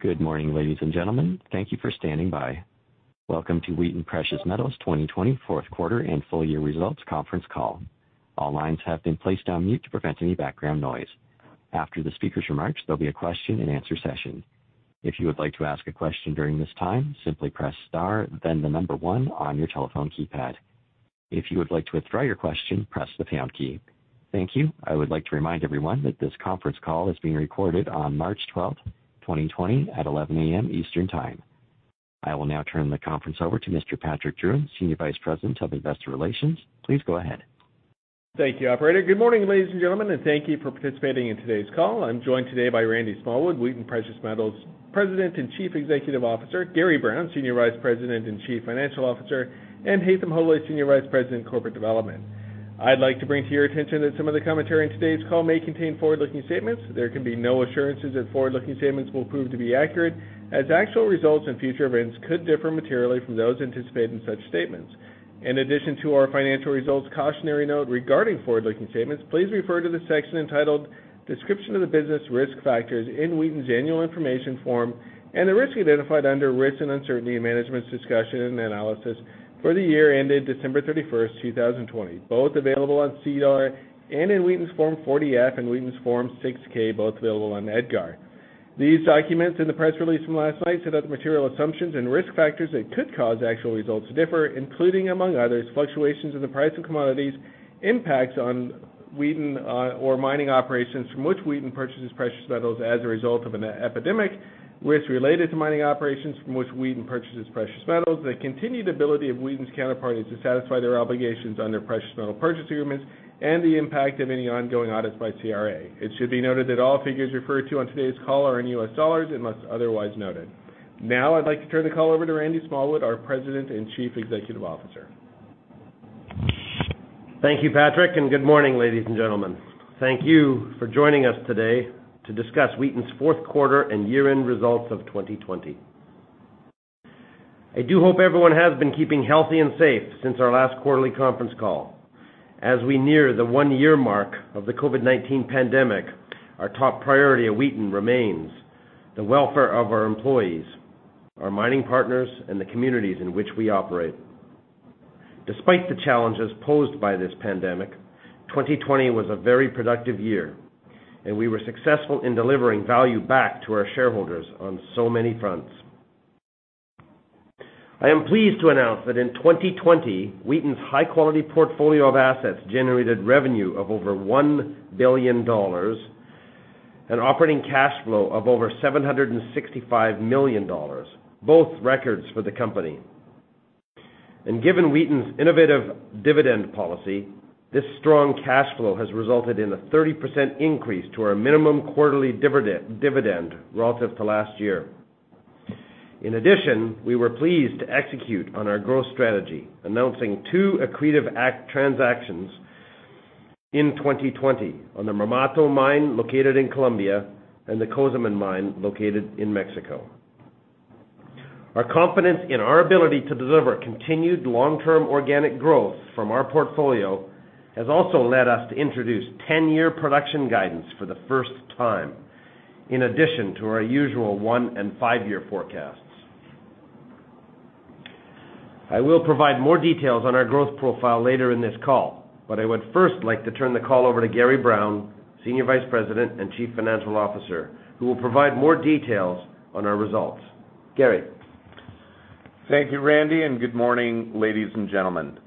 Good morning, ladies and gentlemen. Thank you for standing by. Welcome to Wheaton Precious Metals' fourth quarter and full year results conference call. All lines have been placed on mute to prevent any background noise. After the speaker's remarks, there'll be a question and answer session. If you would like to ask a question during this time, simply press star then the number one on your telephone keypad. If you would like to withdraw your question, press the pound key. Thank you. I would like to remind everyone that this conference call is being recorded on March 12, 2020, at 11:00 A.M. Eastern Time. I will now turn the conference over to Mr. Patrick Drouin, Senior Vice President of Investor Relations. Please go ahead. Thank you, operator. Good morning, ladies and gentlemen, and thank you for participating in today's call. I'm joined today by Randy Smallwood, Wheaton Precious Metals President and Chief Executive Officer, Gary Brown, Senior Vice President and Chief Financial Officer, and Haytham Hodaly, Senior Vice President Corporate Development. I'd like to bring to your attention that some of the commentary in today's call may contain forward-looking statements. There can be no assurances that forward-looking statements will prove to be accurate, as actual results and future events could differ materially from those anticipated in such statements. In addition to our financial results cautionary note regarding forward-looking statements, please refer to the section entitled Description of the Business Risk Factors in Wheaton's annual information form and the risks identified under Risks and Uncertainty in Management's Discussion and Analysis for the year ended December 31st, 2020, both available on SEDAR and in Wheaton's Form 40-F and Wheaton's Form 6-K, both available on EDGAR. These documents in the press release from last night set out the material assumptions and risk factors that could cause actual results to differ, including, among others, fluctuations in the price of commodities, impacts on Wheaton or mining operations from which Wheaton purchases precious metals as a result of an epidemic. Risks related to mining operations from which Wheaton purchases precious metals, the continued ability of Wheaton's counterparties to satisfy their obligations under precious metal purchase agreements, and the impact of any ongoing audits by CRA. It should be noted that all figures referred to on today's call are in US dollars, unless otherwise noted. Now I'd like to turn the call over to Randy Smallwood, our President and Chief Executive Officer. Thank you, Patrick. Good morning, ladies and gentlemen. Thank you for joining us today to discuss Wheaton's fourth quarter and year-end results of 2020. I do hope everyone has been keeping healthy and safe since our last quarterly conference call. As we near the one-year mark of the COVID-19 pandemic, our top priority at Wheaton remains the welfare of our employees, our mining partners, and the communities in which we operate. Despite the challenges posed by this pandemic, 2020 was a very productive year. We were successful in delivering value back to our shareholders on so many fronts. I am pleased to announce that in 2020, Wheaton's high-quality portfolio of assets generated revenue of over $1 billion and operating cash flow of over $765 million, both records for the company. Given Wheaton's innovative dividend policy, this strong cash flow has resulted in a 30% increase to our minimum quarterly dividend relative to last year. In addition, we were pleased to execute on our growth strategy, announcing two accretive transactions in 2020 on the Marmato mine located in Colombia and the Cozamin mine located in Mexico. Our confidence in our ability to deliver continued long-term organic growth from our portfolio has also led us to introduce 10-year production guidance for the first time, in addition to our usual one and five-year forecasts. I will provide more details on our growth profile later in this call, but I would first like to turn the call over to Gary Brown, Senior Vice President and Chief Financial Officer, who will provide more details on our results. Gary? Thank you, Randy. Good morning, ladies and gentlemen.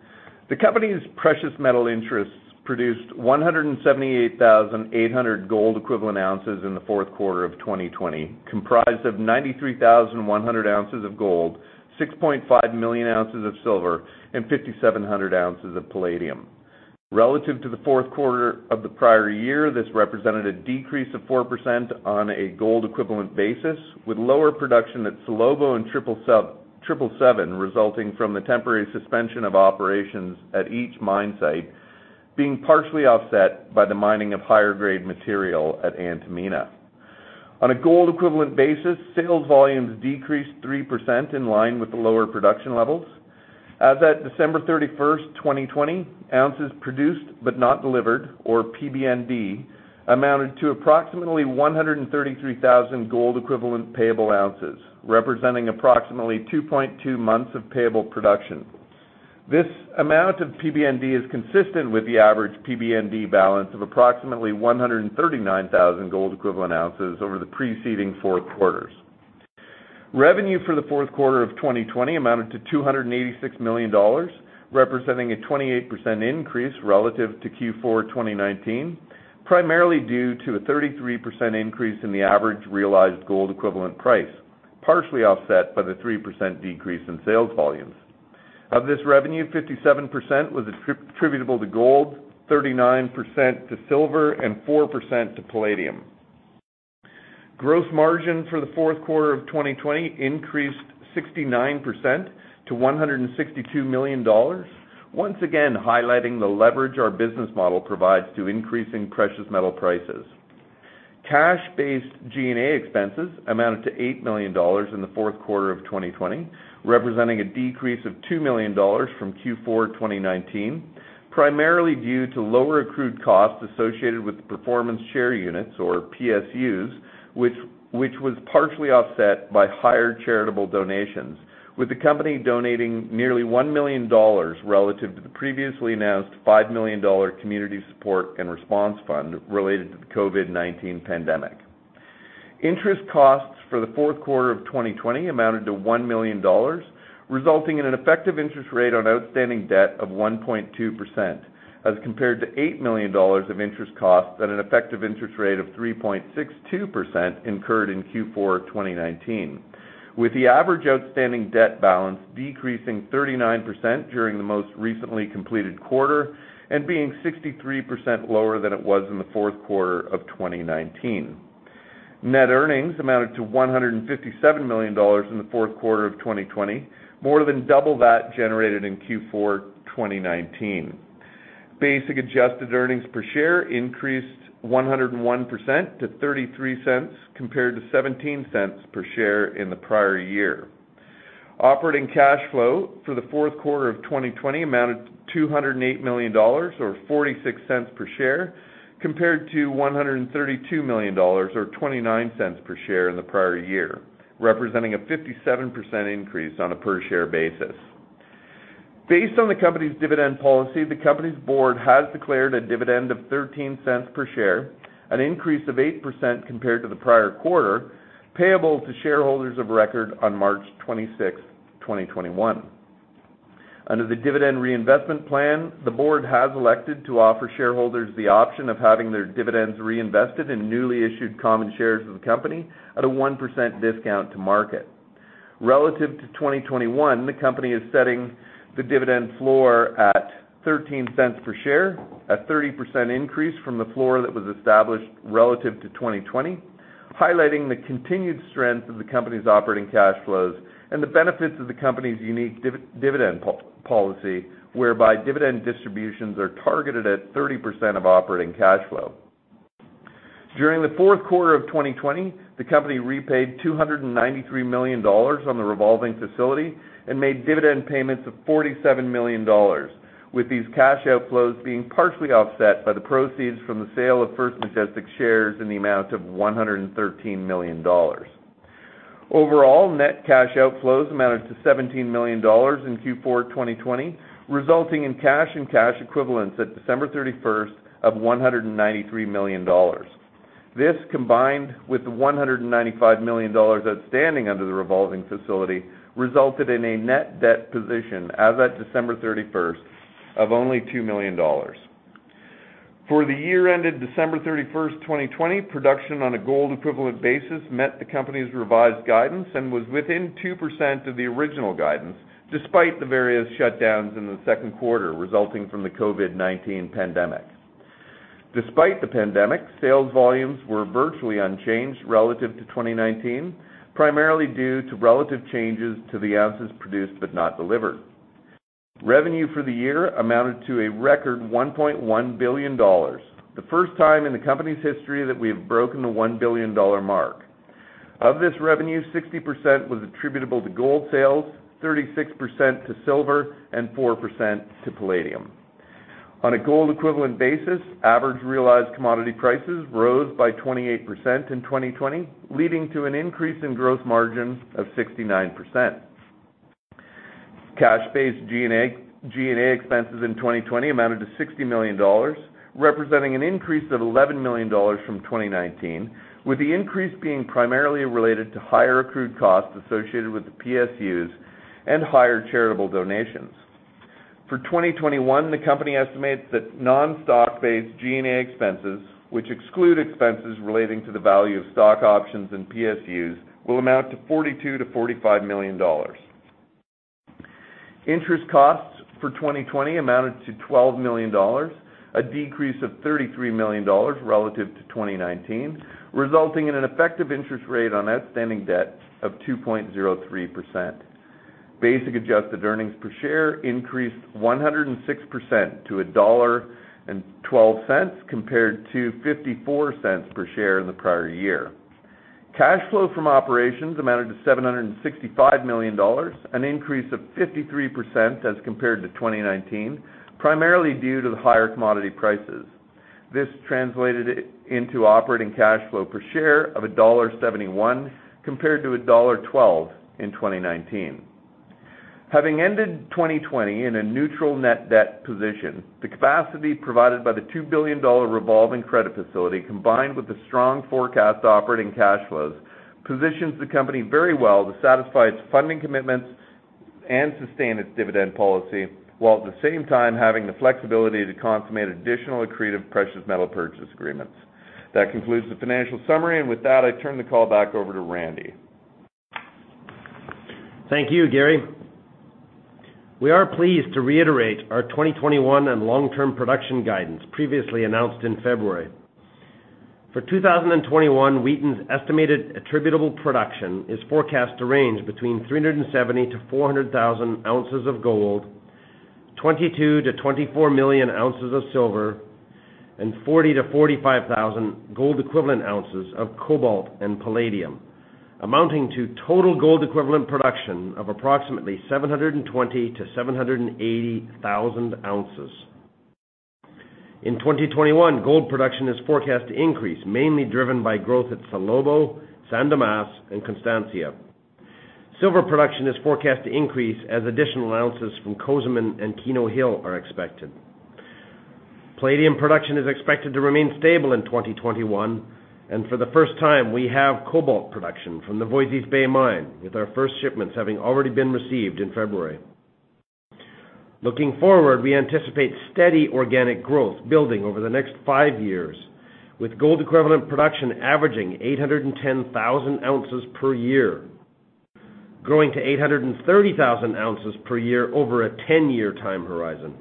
The company's precious metal interests produced 178,800 gold equivalent ounces in the fourth quarter of 2020, comprised of 93,100 ounces of gold, 6.5 million ounces of silver, and 5,700 ounces of palladium. Relative to the fourth quarter of the prior year, this represented a decrease of 4% on a gold-equivalent basis, with lower production at Salobo and 777 resulting from the temporary suspension of operations at each mine site being partially offset by the mining of higher-grade material at Antamina. On a gold-equivalent basis, sales volumes decreased 3% in line with the lower production levels. As at December 31st, 2020, ounces produced but not delivered, or PBND, amounted to approximately 133,000 gold equivalent payable ounces, representing approximately 2.2 months of payable production. This amount of PBND is consistent with the average PBND balance of approximately 139,000 gold equivalent ounces over the preceding fourth quarters. Revenue for the fourth quarter of 2020 amounted to $286 million, representing a 28% increase relative to Q4 2019, primarily due to a 33% increase in the average realized gold equivalent price, partially offset by the 3% decrease in sales volumes. Of this revenue, 57% was attributable to gold, 39% to silver, and 4% to palladium. Gross margin for the fourth quarter of 2020 increased 69% to $162 million, once again highlighting the leverage our business model provides to increasing precious metal prices. Cash based G&A expenses amounted to $8 million in the fourth quarter of 2020, representing a decrease of $2 million from Q4 2019, primarily due to lower accrued costs associated with the performance share units, or PSUs, which was partially offset by higher charitable donations, with the company donating nearly $1 million relative to the previously announced $5 million Community Support and Response Fund related to the COVID-19 Pandemic. Interest costs for the fourth quarter of 2020 amounted to $1 million, resulting in an effective interest rate on outstanding debt of 1.2%, as compared to $8 million of interest costs at an effective interest rate of 3.62% incurred in Q4 2019, with the average outstanding debt balance decreasing 39% during the most recently completed quarter and being 63% lower than it was in the fourth quarter of 2019. Net earnings amounted to $157 million in the fourth quarter of 2020, more than double that generated in Q4 2019. Basic adjusted earnings per share increased 101% to $0.33, compared to $0.17 per share in the prior year. Operating cash flow for the fourth quarter of 2020 amounted to $208 million, or $0.46 per share, compared to $132 million or $0.29 per share in the prior year, representing a 57% increase on a per share basis. Based on the company's dividend policy, the company's board has declared a dividend of $0.13 per share, an increase of 8% compared to the prior quarter, payable to shareholders of record on March 26, 2021. Under the dividend reinvestment plan, the board has elected to offer shareholders the option of having their dividends reinvested in newly issued common shares of the company at a 1% discount to market. Relative to 2021, the company is setting the dividend floor at $0.13 per share, a 30% increase from the floor that was established relative to 2020, highlighting the continued strength of the company's operating cash flows and the benefits of the company's unique dividend policy, whereby dividend distributions are targeted at 30% of operating cash flow. During the fourth quarter of 2020, the company repaid $293 million on the revolving facility and made dividend payments of $47 million, with these cash outflows being partially offset by the proceeds from the sale of First Majestic shares in the amount of $113 million. Overall, net cash outflows amounted to $17 million in Q4 2020, resulting in cash and cash equivalents at December 31st of $193 million. This, combined with the $195 million outstanding under the revolving facility, resulted in a net debt position as at December 31st of only $2 million. For the year ended December 31st, 2020, production on a gold equivalent basis met the company's revised guidance and was within 2% of the original guidance, despite the various shutdowns in the second quarter resulting from the COVID-19 pandemic. Despite the pandemic, sales volumes were virtually unchanged relative to 2019, primarily due to relative changes to the ounces produced but not delivered. Revenue for the year amounted to a record $1.1 billion, the first time in the company's history that we have broken the $1 billion mark. Of this revenue, 60% was attributable to gold sales, 36% to silver, and 4% to palladium. On a gold equivalent basis, average realized commodity prices rose by 28% in 2020, leading to an increase in gross margin of 69%. Cash based G&A expenses in 2020 amounted to $60 million, representing an increase of $11 million from 2019, with the increase being primarily related to higher accrued costs associated with the PSUs and higher charitable donations. For 2021, the company estimates that non-stock based G&A expenses, which exclude expenses relating to the value of stock options and PSUs, will amount to $42 million-$45 million. Interest costs for 2020 amounted to $12 million, a decrease of $33 million relative to 2019, resulting in an effective interest rate on outstanding debt of 2.03%. Basic adjusted earnings per share increased 106% to $1.12 compared to $0.54 per share in the prior year. Cash flow from operations amounted to $765 million, an increase of 53% as compared to 2019, primarily due to the higher commodity prices. This translated into operating cash flow per share of $1.71 compared to $1.12 in 2019. Having ended 2020 in a neutral net debt position, the capacity provided by the $2 billion revolving credit facility, combined with the strong forecast operating cash flows, positions the company very well to satisfy its funding commitments and sustain its dividend policy, while at the same time having the flexibility to consummate additional accretive precious metal purchase agreements. That concludes the financial summary, and with that, I turn the call back over to Randy. Thank you, Gary. We are pleased to reiterate our 2021 and long-term production guidance previously announced in February. For 2021, Wheaton's estimated attributable production is forecast to range between 370,000-400,000 ounces of gold, 22 million-24 million ounces of silver, and 40,000-45,000 gold equivalent ounces of cobalt and palladium, amounting to total gold equivalent production of approximately 720,000-780,000 ounces. In 2021, gold production is forecast to increase, mainly driven by growth at Salobo, San Dimas, and Constancia. Silver production is forecast to increase as additional ounces from Cozamin and Keno Hill are expected. For the first time, we have cobalt production from the Voisey's Bay mine, with our first shipments having already been received in February. Looking forward, we anticipate steady organic growth building over the next five years, with gold equivalent production averaging 810,000 ounces per year, growing to 830,000 ounces per year over a 10-year time horizon.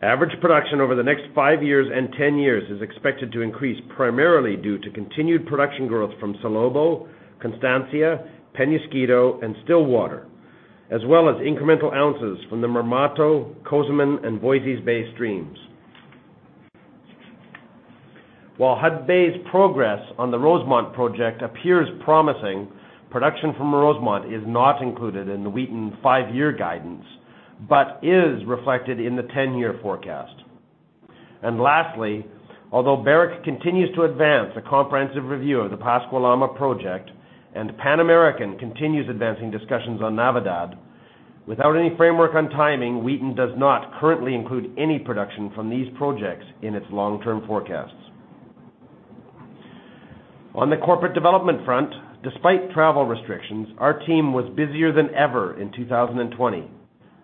Average production over the next five years and 10 years is expected to increase primarily due to continued production growth from Salobo, Constancia, Penasquito, and Stillwater, as well as incremental ounces from the Marmato, Cozamin, and Voisey's Bay streams. While Hudbay's progress on the Rosemont project appears promising, production from Rosemont is not included in the Wheaton five-year guidance but is reflected in the 10-year forecast. Lastly, although Barrick continues to advance a comprehensive review of the Pascua Lama project and Pan American continues advancing discussions on Navidad, without any framework on timing, Wheaton does not currently include any production from these projects in its long-term forecasts. On the corporate development front, despite travel restrictions, our team was busier than ever in 2020,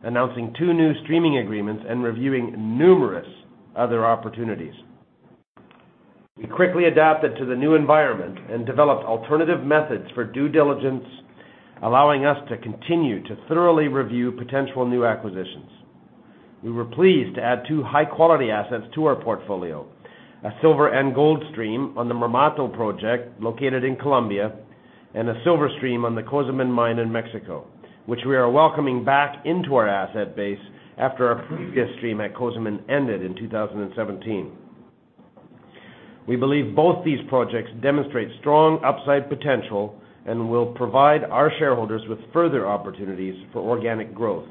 announcing two new streaming agreements and reviewing numerous other opportunities. We quickly adapted to the new environment and developed alternative methods for due diligence, allowing us to continue to thoroughly review potential new acquisitions. We were pleased to add two high-quality assets to our portfolio, a silver and gold stream on the Marmato project located in Colombia, and a silver stream on the Cozamin mine in Mexico, which we are welcoming back into our asset base after our previous stream at Cozamin ended in 2017. We believe both these projects demonstrate strong upside potential and will provide our shareholders with further opportunities for organic growth.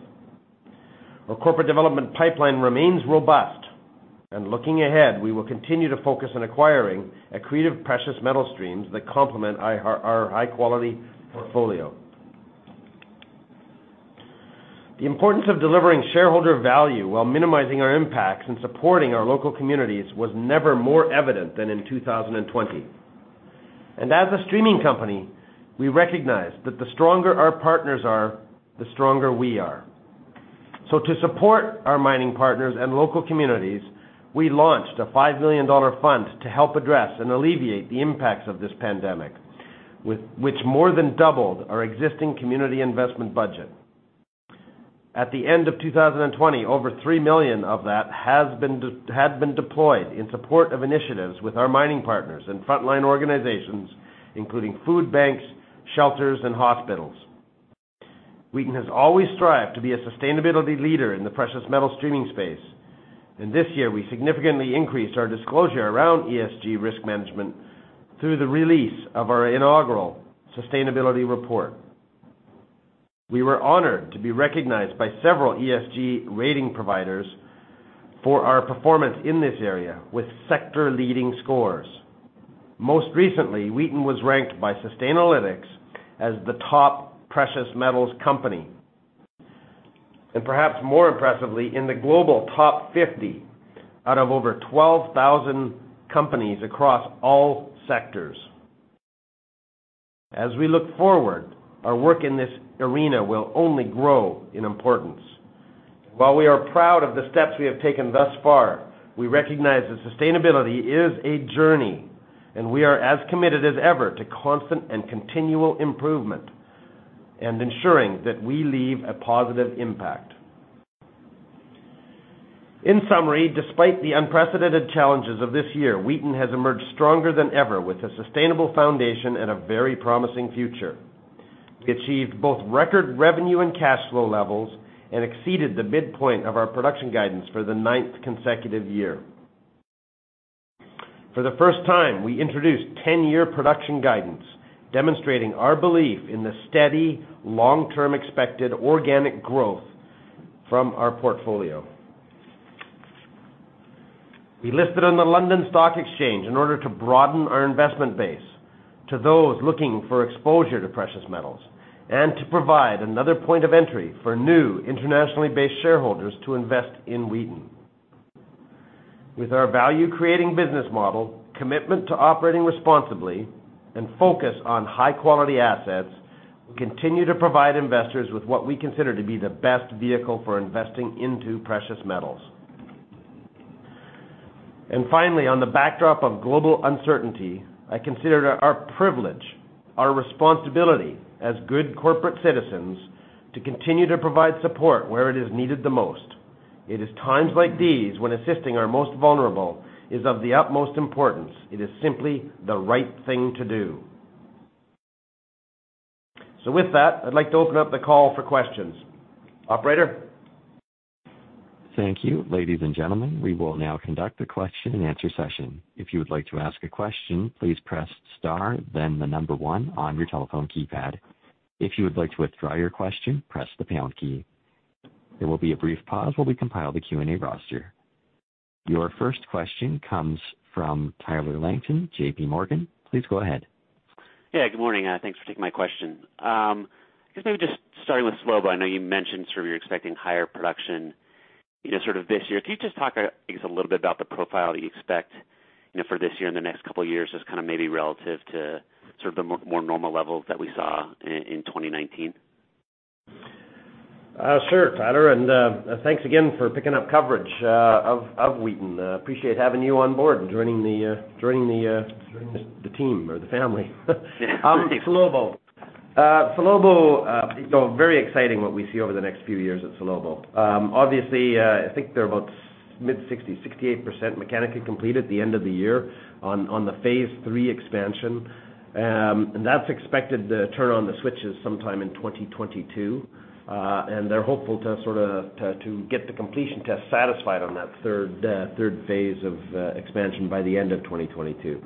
Looking ahead, we will continue to focus on acquiring accretive precious metal streams that complement our high-quality portfolio. The importance of delivering shareholder value while minimizing our impacts and supporting our local communities was never more evident than in 2020. As a streaming company, we recognize that the stronger our partners are, the stronger we are. To support our mining partners and local communities, we launched a $5 million fund to help address and alleviate the impacts of this pandemic, which more than doubled our existing community investment budget. At the end of 2020, over $3 million of that had been deployed in support of initiatives with our mining partners and frontline organizations, including food banks, shelters, and hospitals. Wheaton has always strived to be a sustainability leader in the precious metal streaming space. This year we significantly increased our disclosure around ESG risk management through the release of our inaugural sustainability report. We were honored to be recognized by several ESG rating providers for our performance in this area with sector-leading scores. Most recently, Wheaton was ranked by Sustainalytics as the top precious metals company, and perhaps more impressively, in the global top 50 out of over 12,000 companies across all sectors. As we look forward, our work in this arena will only grow in importance. While we are proud of the steps we have taken thus far, we recognize that sustainability is a journey, and we are as committed as ever to constant and continual improvement and ensuring that we leave a positive impact. In summary, despite the unprecedented challenges of this year, Wheaton has emerged stronger than ever with a sustainable foundation and a very promising future. We achieved both record revenue and cash flow levels and exceeded the midpoint of our production guidance for the ninth consecutive year. For the first time, we introduced 10-year production guidance, demonstrating our belief in the steady, long-term expected organic growth from our portfolio. We listed on the London Stock Exchange in order to broaden our investment base to those looking for exposure to precious metals and to provide another point of entry for new internationally based shareholders to invest in Wheaton. With our value-creating business model, commitment to operating responsibly, and focus on high-quality assets, we continue to provide investors with what we consider to be the best vehicle for investing into precious metals. Finally, on the backdrop of global uncertainty, I consider it our privilege, our responsibility as good corporate citizens, to continue to provide support where it is needed the most. It is times like these when assisting our most vulnerable is of the utmost importance. It is simply the right thing to do. With that, I'd like to open up the call for questions. Operator? Thank you. Ladies and gentlemen, we will now conduct a question and answer session. Your first question comes from Tyler Langton, JPMorgan. Please go ahead. Yeah, good morning. Thanks for taking my question. I guess maybe just starting with Salobo, I know you mentioned you're expecting higher production this year. Can you just talk, I guess, a little bit about the profile that you expect for this year and the next couple of years, just maybe relative to the more normal levels that we saw in 2019? Sure, Tyler. Thanks again for picking up coverage of Wheaton Precious Metals. Appreciate having you on board and joining the team or the family. Salobo. Very exciting what we see over the next few years at Salobo. Obviously, I think they're about mid-60%, 68% mechanically complete at the end of the year on the phase III expansion. That's expected to turn on the switches sometime in 2022. They're hopeful to get the completion test satisfied on that third phase of expansion by the end of 2022.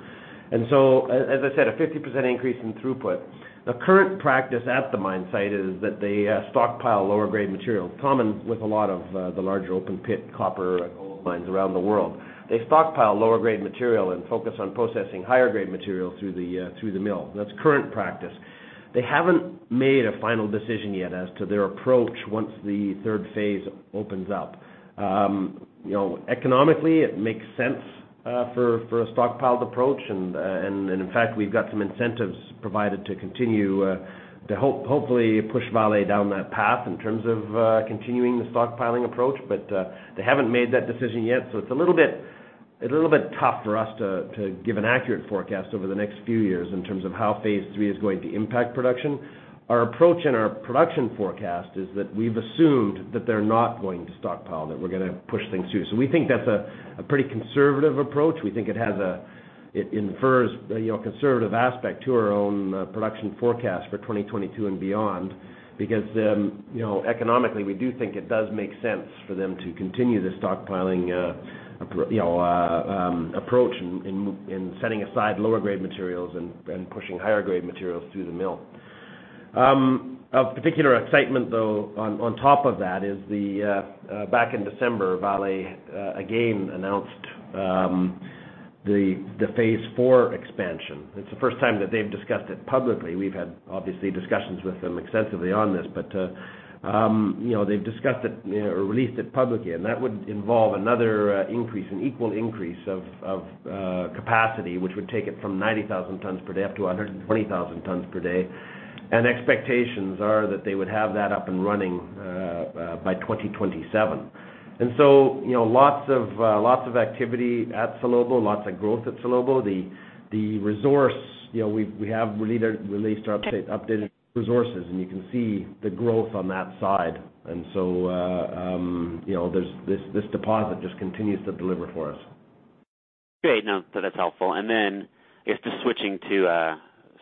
As I said, a 50% increase in throughput. The current practice at the mine site is that they stockpile lower grade material, common with a lot of the larger open pit copper and gold mines around the world. They stockpile lower grade material and focus on processing higher grade material through the mill. That's current practice. They haven't made a final decision yet as to their approach once the phase III opens up. Economically, it makes sense for a stockpiled approach, and in fact, we've got some incentives provided to continue to hopefully push Vale down that path in terms of continuing the stockpiling approach. They haven't made that decision yet, so it's a little bit tough for us to give an accurate forecast over the next few years in terms of how phase III is going to impact production. Our approach and our production forecast is that we've assumed that they're not going to stockpile, that we're going to push things through. We think that's a pretty conservative approach. We think it infers a conservative aspect to our own production forecast for 2022 and beyond because economically, we do think it does make sense for them to continue the stockpiling approach in setting aside lower grade materials and pushing higher grade materials through the mill. Of particular excitement, though, on top of that is back in December, Vale again announced the phase IV expansion. It's the first time that they've discussed it publicly. We've had, obviously, discussions with them extensively on this, but they've released it publicly, and that would involve another increase, an equal increase of capacity, which would take it from 90,000 tons per day up to 120,000 tons per day. Expectations are that they would have that up and running by 2027. Lots of activity at Salobo, lots of growth at Salobo. The resource, we have released our updated resources, and you can see the growth on that side. This deposit just continues to deliver for us. Great. No, that's helpful. Just switching to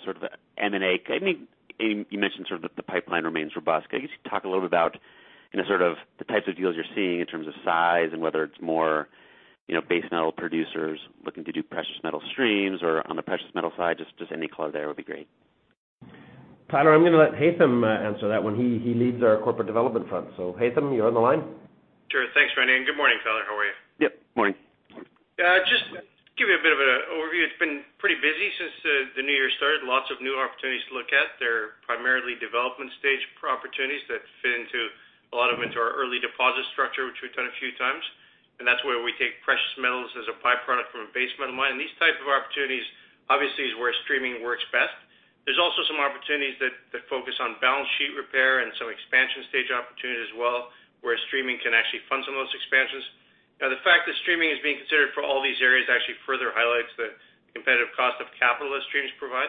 sort of the M&A. You mentioned the pipeline remains robust. Can you just talk a little bit about the types of deals you're seeing in terms of size and whether it's more base metal producers looking to do precious metal streams or on the precious metal side, just any color there would be great. Tyler, I'm going to let Haytham answer that one. He leads our Corporate Development front. Haytham, you're on the line. Sure. Thanks, Randy, and good morning, Tyler. How are you? Yep, morning. Just to give you a bit of an overview, it's been pretty busy since the new year started. Lots of new opportunities to look at. They're primarily development stage opportunities that fit into a lot of our early deposit structure, which we've done a few times, and that's where we take precious metals as a byproduct from a base metal mine. These type of opportunities, obviously, is where streaming works best. There's also some opportunities that focus on balance sheet repair and some expansion stage opportunities as well, where streaming can actually fund some of those expansions. The fact that streaming is being considered for all these areas actually further highlights the competitive cost of capital that streams provide.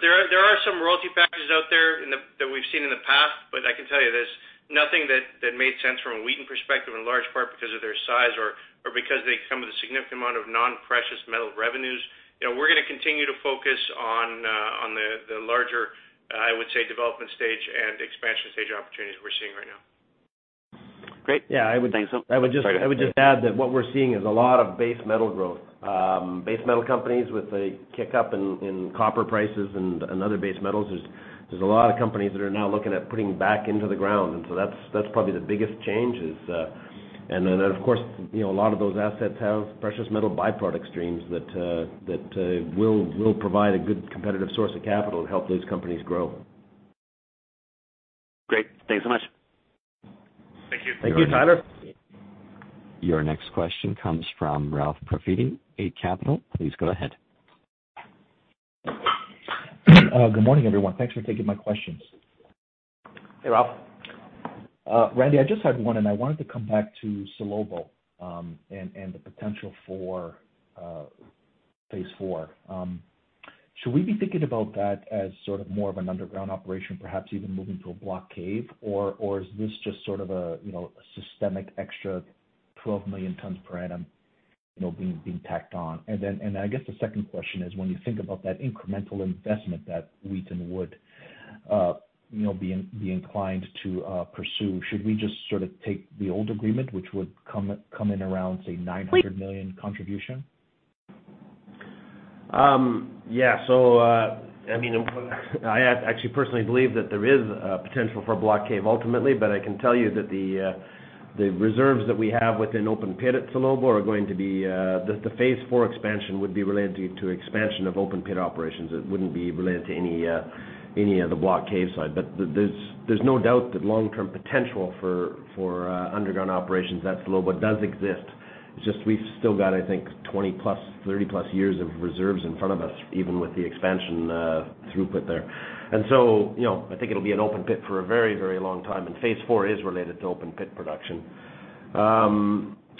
There are some royalty packages out there that we've seen in the past, but I can tell you there's nothing that made sense from a Wheaton perspective, in large part because of their size or because they come with a significant amount of non-precious metal revenues. We're going to continue to focus on the larger, I would say, development stage and expansion stage opportunities we're seeing right now. Great. Thanks so much. Sorry, go ahead. I would just add that what we're seeing is a lot of base metal growth. Base metal companies with a kick up in copper prices and other base metals, there's a lot of companies that are now looking at putting back into the ground, and so that's probably the biggest change. Of course, a lot of those assets have precious metal byproduct streams that will provide a good competitive source of capital to help those companies grow. Great. Thanks so much. Thank you, Tyler. Your next question comes from Ralph Profiti, Eight Capital. Please go ahead. Good morning, everyone. Thanks for taking my questions. Hey, Ralph. Randy, I just had one, and I wanted to come back to Salobo and the potential for phase IV. Should we be thinking about that as sort of more of an underground operation, perhaps even moving to a block cave? Is this just sort of a systemic extra 12 million tons per annum being tacked on? I guess the second question is when you think about that incremental investment that Wheaton would be inclined to pursue, should we just take the old agreement, which would come in around, say, $900 million contribution? I actually personally believe that there is a potential for block cave ultimately. I can tell you that the reserves that we have within open pit at Salobo. The phase IV expansion would be related to expansion of open pit operations. It wouldn't be related to any of the block cave site. There's no doubt that long-term potential for underground operations at Salobo does exist. It's just we've still got, I think, 20-plus, 30-plus years of reserves in front of us, even with the expansion throughput there. I think it'll be an open pit for a very long time, and phase IV is related to open pit production. Sorry,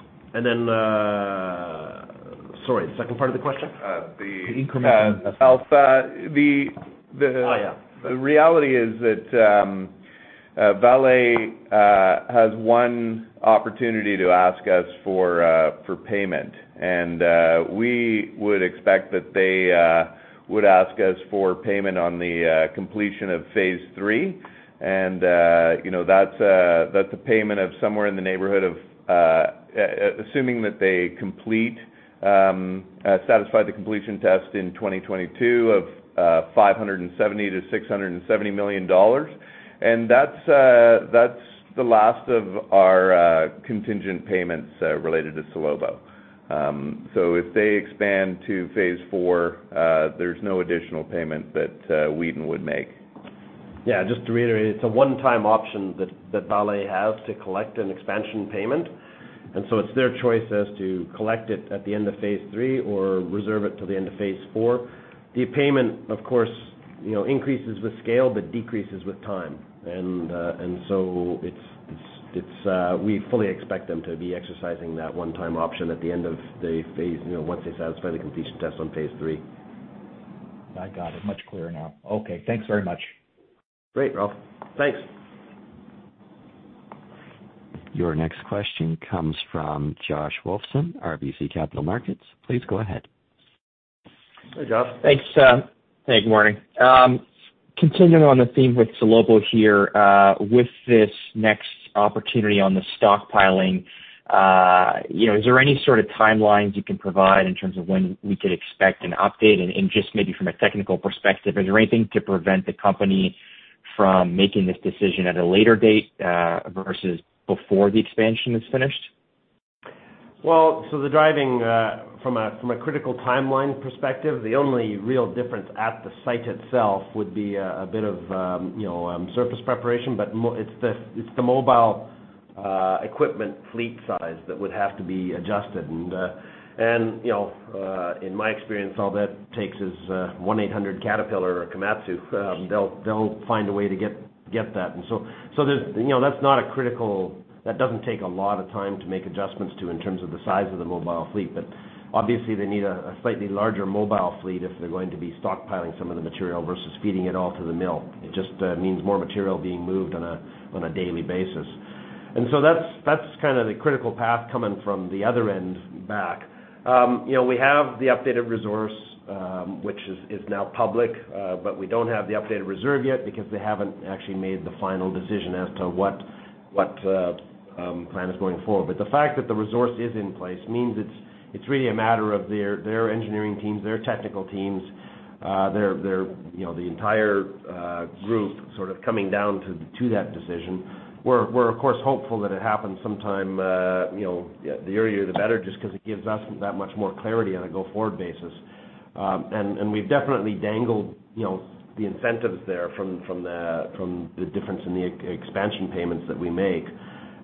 second part of the question? The incremental investment. Ralph. The reality is that Vale has one opportunity to ask us for payment. We would expect that they would ask us for payment on the completion of phase III. That's a payment of somewhere in the neighborhood of, assuming that they satisfy the completion test in 2022, of $570 million-$670 million. That's the last of our contingent payments related to Salobo. If they expand to phase IV, there's no additional payment that Wheaton would make. Yeah, just to reiterate, it's a one-time option that Vale has to collect an expansion payment. It's their choice as to collect it at the end of phase III or reserve it till the end of phase IV. The payment, of course, increases with scale but decreases with time. We fully expect them to be exercising that one-time option at the end of the phase, once they satisfy the completion test on phase III. I got it much clearer now. Okay, thanks very much. Great, Ralph. Thanks. Your next question comes from Josh Wolfson, RBC Capital Markets. Please go ahead. Hey, Josh. Thanks. Hey, good morning. Continuing on the theme with Salobo here, with this next opportunity on the stockpiling, is there any sort of timelines you can provide in terms of when we could expect an update? Just maybe from a technical perspective, is there anything to prevent the company from making this decision at a later date, versus before the expansion is finished? The driving from a critical timeline perspective, the only real difference at the site itself would be a bit of surface preparation, but it's the mobile equipment fleet size that would have to be adjusted. In my experience, all that takes is one 800 Caterpillar or Komatsu. They'll find a way to get that. That doesn't take a lot of time to make adjustments to in terms of the size of the mobile fleet. Obviously, they need a slightly larger mobile fleet if they're going to be stockpiling some of the material versus feeding it all to the mill. It just means more material being moved on a daily basis. That's the critical path coming from the other end back. We have the updated resource, which is now public, but we don't have the updated reserve yet because they haven't actually made the final decision as to what plan is going forward. The fact that the resource is in place means it's really a matter of their engineering teams, their technical teams, the entire group coming down to that decision. We're of course hopeful that it happens sometime, the earlier the better, just because it gives us that much more clarity on a go-forward basis. We've definitely dangled the incentives there from the difference in the expansion payments that we make.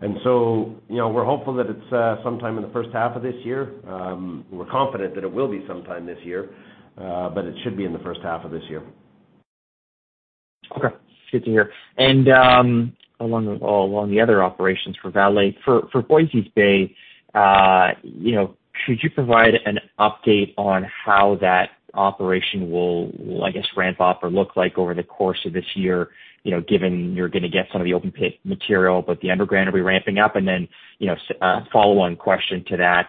We're hopeful that it's sometime in the first half of this year. We're confident that it will be sometime this year, but it should be in the first half of this year. Okay. Good to hear. Along the other operations for Vale, for Voisey's Bay, could you provide an update on how that operation will, I guess, ramp up or look like over the course of this year, given you're going to get some of the open pit material, but the underground will be ramping up? Follow-on question to that,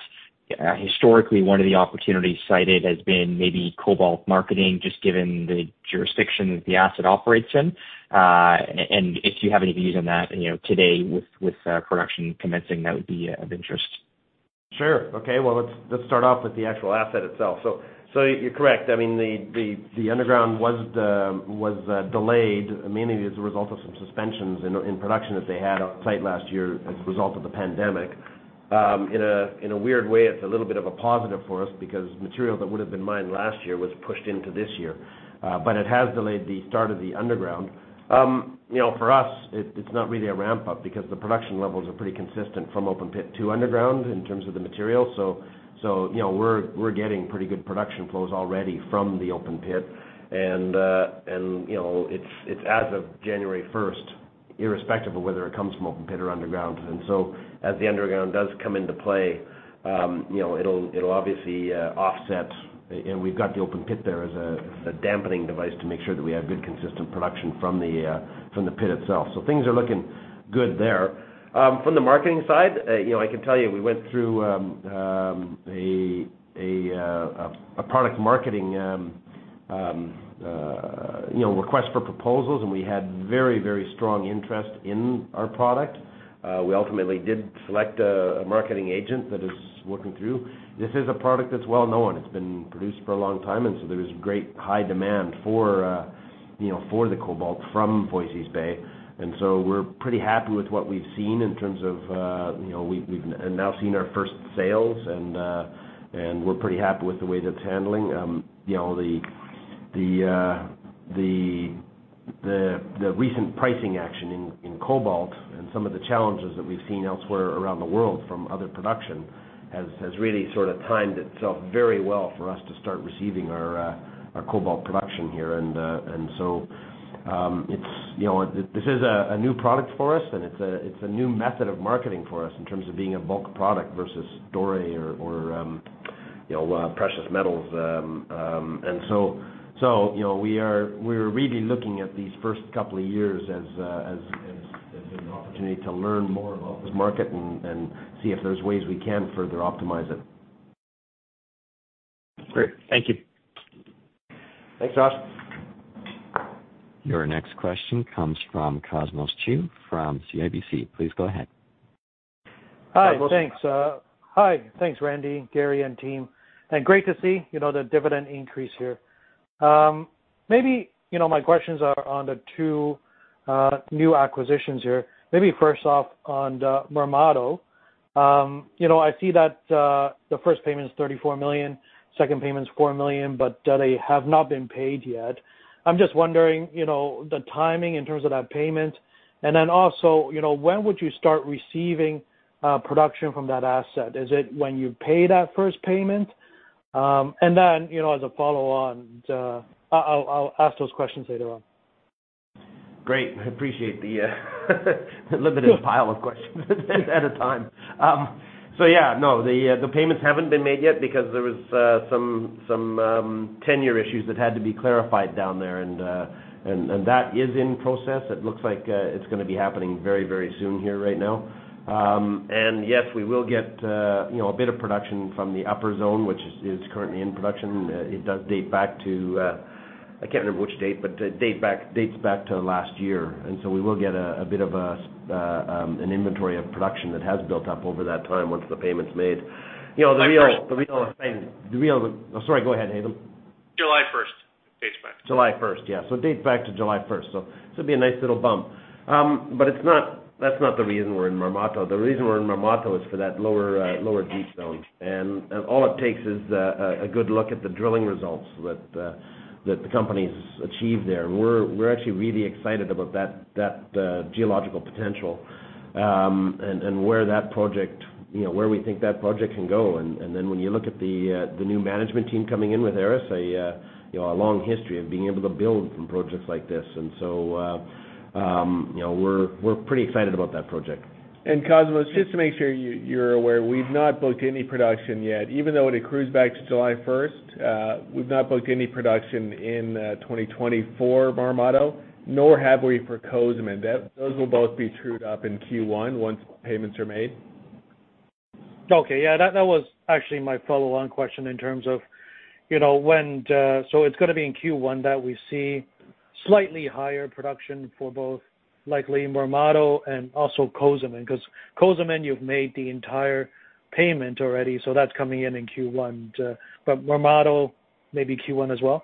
historically, one of the opportunities cited has been maybe cobalt marketing, just given the jurisdiction that the asset operates in. If you have any views on that today with production commencing, that would be of interest. Sure. Okay, well let's start off with the actual asset itself. You're correct, the underground was delayed mainly as a result of some suspensions in production that they had on site last year as a result of the pandemic. In a weird way, it's a little bit of a positive for us because material that would have been mined last year was pushed into this year. It has delayed the start of the underground. For us, it's not really a ramp-up because the production levels are pretty consistent from open pit to underground in terms of the material. We're getting pretty good production flows already from the open pit. It's as of January 1st, irrespective of whether it comes from open pit or underground. As the underground does come into play, it'll obviously offset, and we've got the open pit there as a dampening device to make sure that we have good, consistent production from the pit itself. Things are looking good there. From the marketing side, I can tell you we went through a product marketing request for proposals, and we had very strong interest in our product. We ultimately did select a marketing agent that is working through. This is a product that's well known. It's been produced for a long time, and so there's great high demand for the cobalt from Voisey's Bay. We're pretty happy with what we've seen in terms of, we've now seen our first sales and we're pretty happy with the way that's handling. The recent pricing action in cobalt and some of the challenges that we've seen elsewhere around the world from other production has really sort of timed itself very well for us to start receiving our cobalt production here. This is a new product for us, and it's a new method of marketing for us in terms of being a bulk product versus doré or precious metals. We're really looking at these first couple of years as an opportunity to learn more about this market and see if there's ways we can further optimize it. Great. Thank you. Thanks, Josh. Your next question comes from Cosmos Chiu from CIBC. Please go ahead. Hi. Thanks, Randy, Gary, and team, great to see the dividend increase here. My questions are on the two new acquisitions here. Maybe first off on the Marmato. I see that the first payment is $34 million, second payment is $4 million, they have not been paid yet. I'm just wondering, the timing in terms of that payment, then also when would you start receiving production from that asset? Is it when you pay that first payment? Then, I'll ask those questions later on. Great. I appreciate the limited pile of questions at a time. Yeah, no, the payments haven't been made yet because there was some tenure issues that had to be clarified down there, and that is in process. It looks like it's going to be happening very soon here right now. Yes, we will get a bit of production from the upper zone, which is currently in production. It does date back to, I can't remember which date, but dates back to last year. We will get a bit of an inventory of production that has built up over that time once the payment's made. The real. Sorry, go ahead, Haytham. July 1st it dates back to. July 1st. Yeah. It dates back to July 1st, so it'll be a nice little bump. That's not the reason we're in Marmato. The reason we're in Marmato is for that lower deep zone, and all it takes is a good look at the drilling results that the company's achieved there. We're actually really excited about that geological potential, and where we think that project can go. When you look at the new management team coming in with Aris, a long history of being able to build from projects like this. We're pretty excited about that project. Cosmos, just to make sure you're aware, we've not booked any production yet. Even though it accrues back to July 1st, we've not booked any production in 2020 for Marmato, nor have we for Cozamin. Those will both be trued up in Q1 once payments are made. Okay. Yeah, that was actually my follow-on question in terms of when. It's going to be in Q1 that we see slightly higher production for both likely Marmato and also Cozamin, because Cozamin, you've made the entire payment already, so that's coming in in Q1. Marmato, maybe Q1 as well?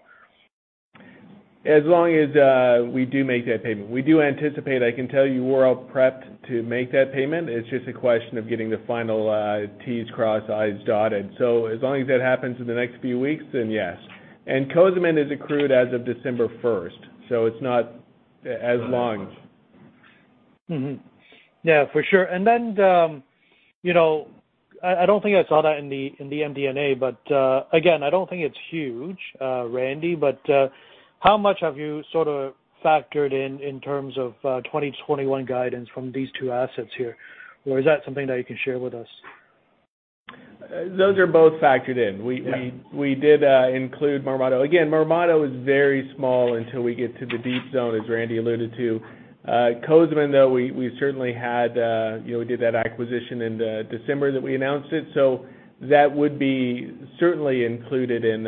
As long as we do make that payment. We do anticipate, I can tell you we're all prepped to make that payment. It's just a question of getting the final T's crossed, I's dotted. As long as that happens in the next few weeks, then yes. Cozamin is accrued as of December 1st, so it's not as long. Yeah, for sure. I don't think I saw that in the MD&A, but again, I don't think it's huge, Randy, but how much have you sort of factored in in terms of 2021 guidance from these two assets here? Or is that something that you can share with us? Those are both factored in. We did include Marmato. Marmato is very small until we get to the deep zone, as Randy alluded to. Cozamin, though, we certainly had, we did that acquisition in December that we announced it, that would be certainly included in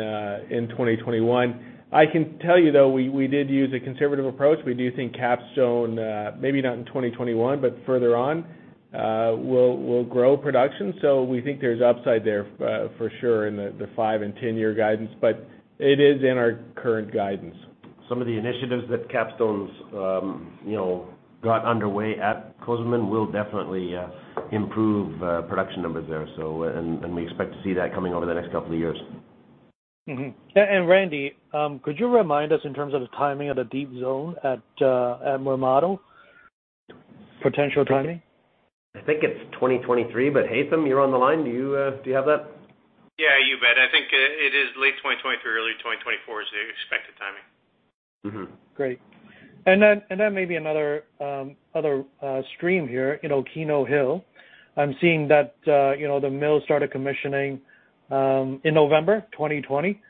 2021. I can tell you, though, we did use a conservative approach. We do think Capstone, maybe not in 2021, but further on, will grow production. We think there's upside there for sure in the five and 10-year guidance. It is in our current guidance. Some of the initiatives that Capstone's got underway at Cozamin will definitely improve production numbers there. We expect to see that coming over the next couple of years. Randy, could you remind us in terms of the timing of the deep zone at Marmato? Potential timing? I think it's 2023. Haytham, you're on the line. Do you have that? Yeah, you bet. I think it is late 2023, early 2024 is the expected timing. Great. Maybe another stream here, Keno Hill. I'm seeing that the mill started commissioning in November 2020.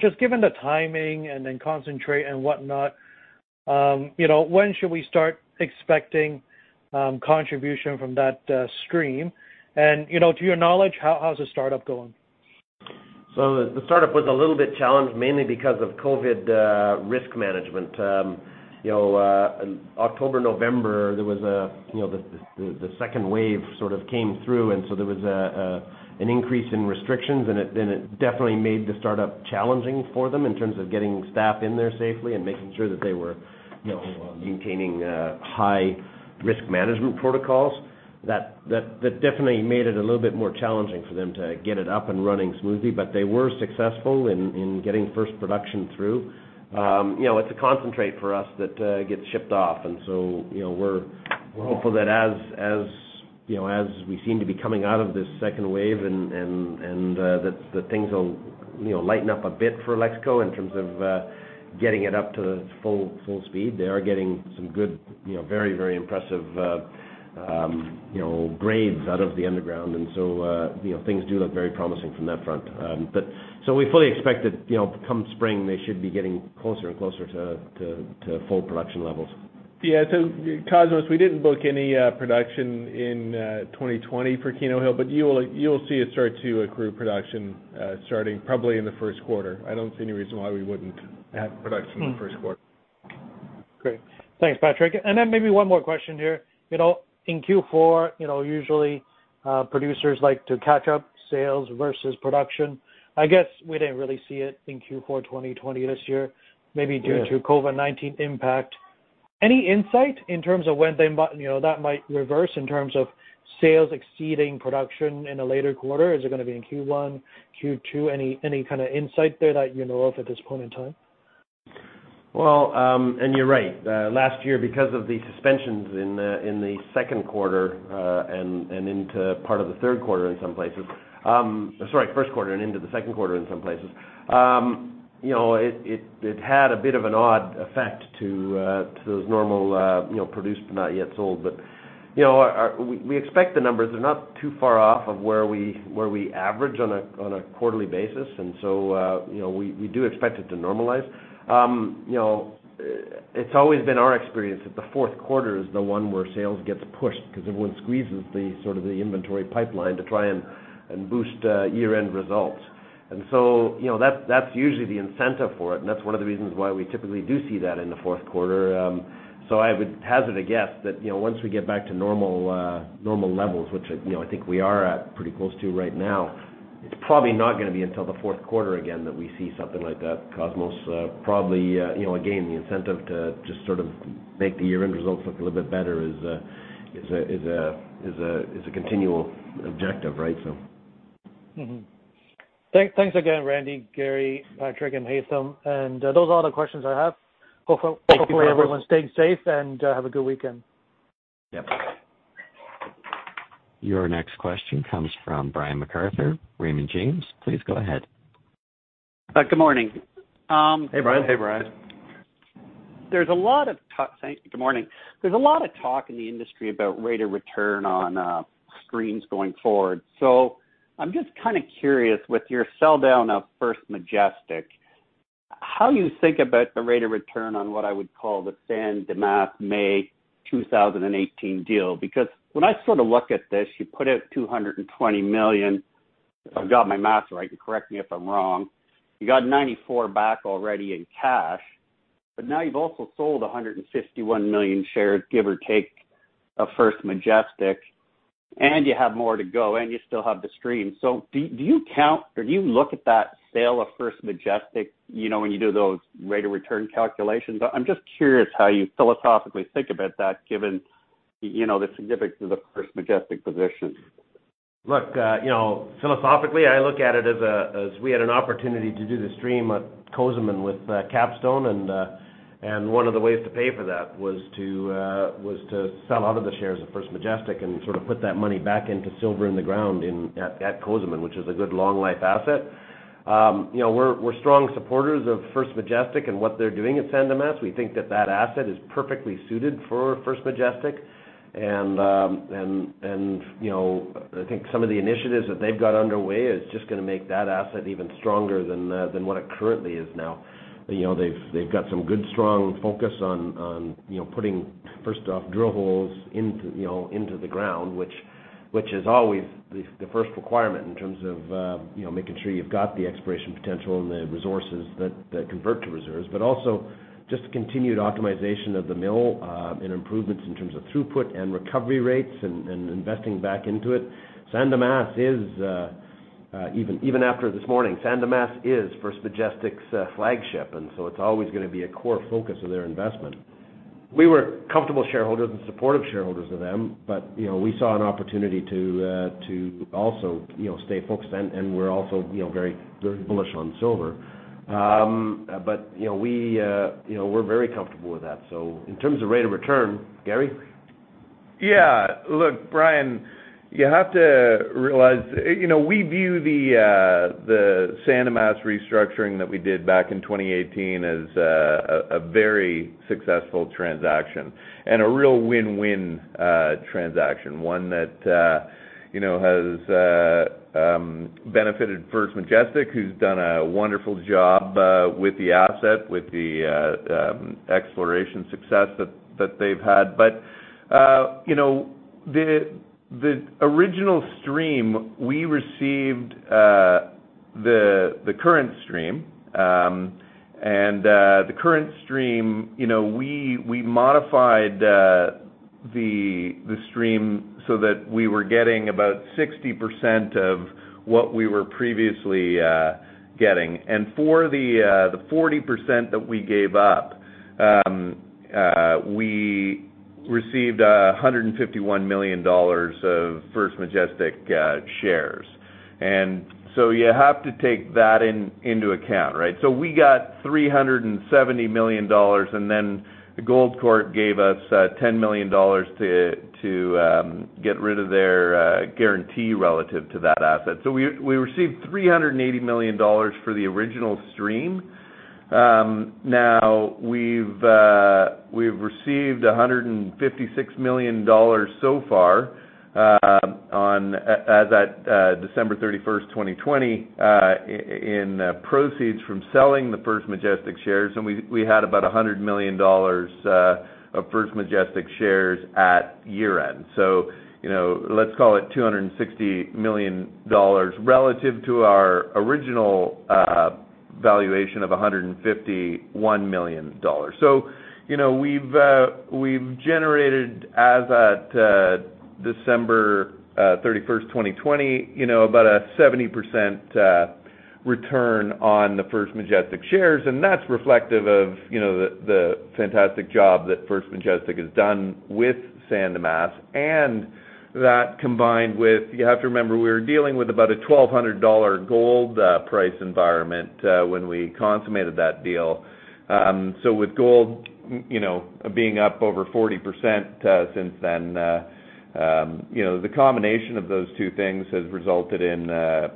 Just given the timing and concentrate and whatnot, when should we start expecting contribution from that stream? To your knowledge, how's the startup going? The startup was a little bit challenged, mainly because of COVID-19 risk management. October, November, the second wave sort of came through, and so there was an increase in restrictions, and it definitely made the startup challenging for them in terms of getting staff in there safely and making sure that they were maintaining high risk management protocols. That definitely made it a little bit more challenging for them to get it up and running smoothly. They were successful in getting first production through. It's a concentrate for us that gets shipped off. We're hopeful that as we seem to be coming out of this second wave, and that things will lighten up a bit for Alexco in terms of getting it up to full speed. They are getting some good, very impressive grades out of the underground. Things do look very promising from that front. We fully expect that, come spring, they should be getting closer to full production levels. Yeah. Cosmos, we didn't book any production in 2020 for Keno Hill, but you'll see it start to accrue production, starting probably in the first quarter. I don't see any reason why we wouldn't have production in the first quarter. Great. Thanks, Patrick. Maybe one more question here. In Q4, usually producers like to catch up sales versus production. I guess we didn't really see it in Q4 2020 this year, maybe due to COVID-19 impact. Any insight in terms of when that might reverse in terms of sales exceeding production in a later quarter? Is it going to be in Q1, Q2? Any kind of insight there that you know of at this point in time? Well, you're right. Last year, because of the suspensions in the second quarter, and into part of the third quarter in some places Sorry, first quarter and into the second quarter in some places. It had a bit of an odd effect to those normal produced, but not yet sold. We expect the numbers are not too far off of where we average on a quarterly basis, and so we do expect it to normalize. It's always been our experience that the fourth quarter is the one where sales gets pushed, because everyone squeezes the inventory pipeline to try and boost year-end results. That's usually the incentive for it, and that's one of the reasons why we typically do see that in the fourth quarter. I would hazard a guess that once we get back to normal levels, which I think we are at pretty close to right now, it's probably not going to be until the fourth quarter again that we see something like that, Cosmos. Probably, again, the incentive to just sort of make the year-end results look a little bit better is a continual objective, right? Thanks again, Randy, Gary, Patrick, and Haytham. Those are all the questions I have. Hopefully everyone's staying safe, and have a good weekend. Your next question comes from Brian MacArthur, Raymond James. Please go ahead. Good morning. Hey, Brian. Hey, Brian. Good morning. There's a lot of talk in the industry about rate of return on streams going forward. I'm just kind of curious with your sell-down of First Majestic, how you think about the rate of return on what I would call the San Dimas May 2018 deal, because when I sort of look at this, you put out $220 million. If I've got my math right, and correct me if I'm wrong, you got $94 back already in cash. Now you've also sold 151 million shares, give or take, of First Majestic, and you have more to go, and you still have the stream. Do you look at that sale of First Majestic, when you do those rate of return calculations? I'm just curious how you philosophically think about that given the significance of the First Majestic position. Look, philosophically, I look at it as we had an opportunity to do the stream at Cozamin with Capstone, one of the ways to pay for that was to sell out of the shares of First Majestic and sort of put that money back into silver in the ground at Cozamin, which is a good long life asset. We're strong supporters of First Majestic and what they're doing at San Dimas. We think that that asset is perfectly suited for First Majestic. I think some of the initiatives that they've got underway is just going to make that asset even stronger than what it currently is now. They've got some good, strong focus on putting, first off, drill holes into the ground, which is always the first requirement in terms of making sure you've got the exploration potential and the resources that convert to reserves. Also just continued optimization of the mill, and improvements in terms of throughput and recovery rates and investing back into it. Even after this morning, San Dimas is First Majestic's flagship, it's always going to be a core focus of their investment. We were comfortable shareholders and supportive shareholders of them, we saw an opportunity to also stay focused, and we're also very bullish on silver. We're very comfortable with that. In terms of rate of return, Gary? Yeah. Look, Brian, you have to realize, we view the San Dimas restructuring that we did back in 2018 as a very successful transaction and a real win-win transaction, one that has benefited First Majestic, who's done a wonderful job with the asset, with the exploration success that they've had. The original stream, we received the current stream. The current stream, we modified the stream so that we were getting about 60% of what we were previously getting. For the 40% that we gave up, we received $151 million of First Majestic shares. You have to take that into account, right? We got $370 million, and then the Goldcorp gave us $10 million to get rid of their guarantee relative to that asset. We received $380 million for the original stream. We've received $156 million so far as at December 31st, 2020, in proceeds from selling the First Majestic shares, and we had about $100 million of First Majestic shares at year-end. Let's call it $260 million relative to our original valuation of $151 million. We've generated as at December 31st, 2020, about a 70% return on the First Majestic shares. That's reflective of the fantastic job that First Majestic has done with San Dimas. That combined with, you have to remember, we were dealing with about a $1,200 gold price environment when we consummated that deal. With gold, being up over 40% since then, the combination of those two things has resulted in a